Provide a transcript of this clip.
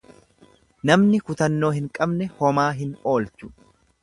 Namni kutannoo hin qabne homaa hin oolchu.